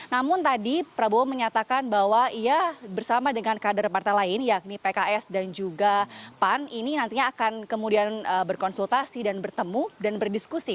namun tadi prabowo menyatakan bahwa ia bersama dengan kader partai lain yakni pks dan juga pan ini nantinya akan kemudian berkonsultasi dan bertemu dan berdiskusi